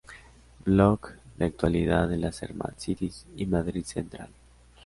Blog de actualidad de las smart cities y Madrid Central